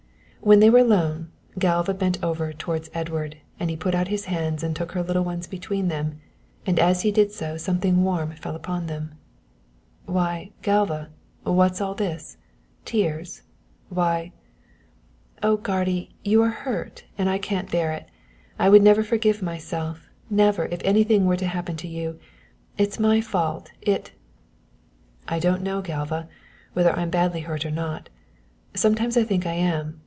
When they were alone Galva bent lower over towards Edward and he put out his hands and took her little ones between them, and as he did so something warm fell upon them. "Why, Galva what's all this tears? Why " "Oh, guardy, you are hurt and I can't bear it. I would never forgive myself never, if anything were to happen to you. It is my fault it " "I don't know, Galva, whether I'm badly hurt or not sometimes I think I am.